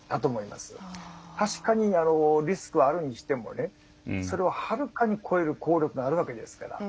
確かにリスクはあるにしてもそれをはるかに超える効力があるわけですから。